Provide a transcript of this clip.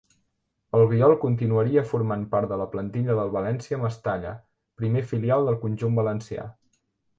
Albiol continuaria formant part de la plantilla del València Mestalla, primer filial del conjunt valencià.